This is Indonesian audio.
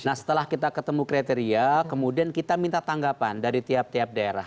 nah setelah kita ketemu kriteria kemudian kita minta tanggapan dari tiap tiap daerah